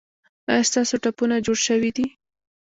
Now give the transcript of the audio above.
ایا ستاسو ټپونه جوړ شوي دي؟